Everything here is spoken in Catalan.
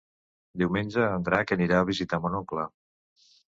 Diumenge en Drac anirà a visitar mon oncle.